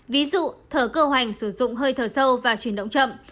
ví dụ thờ cơ hoành sử dụng hơi thở sâu và chuyển động chậm